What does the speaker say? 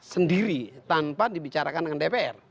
sendiri tanpa dibicarakan dengan dpr